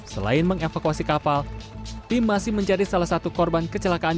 selain mengevakuasi kapal tim masih menjadi salah satu korban kecelakaan